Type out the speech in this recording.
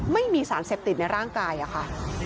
ไม่มีสารเสพติดในร่างกายค่ะ